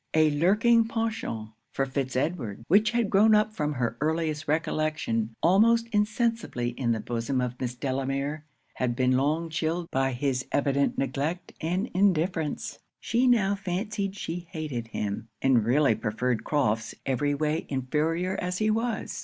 A lurking penchant for Fitz Edward, which had grown up from her earliest recollection almost insensibly in the bosom of Miss Delamere, had been long chilled by his evident neglect and indifference: she now fancied she hated him, and really preferred Crofts, every way inferior as he was.